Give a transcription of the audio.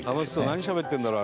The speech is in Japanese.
何しゃべってるんだろう？